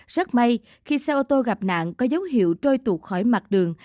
rất may khi xe ô tô gặp nạn có dấu hiệu trôi tuột khỏi mặt đường